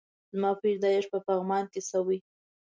زما پيدايښت په پغمان کی شوي